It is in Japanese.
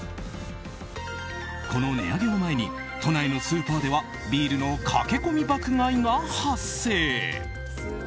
この値上げを前に都内のスーパーではビールの駆け込み爆買いが発生。